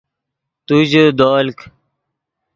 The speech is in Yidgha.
تو ژے دولک